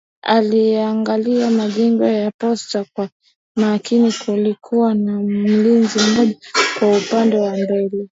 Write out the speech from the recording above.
Aliyaangalia majengo ya posta kwa makini kulikuwa na mlinzi mmoja kwa upande wa mbele